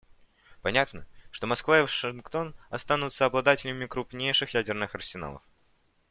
Понятно, что Москва и Вашингтон остаются обладателями крупнейших ядерных арсеналов.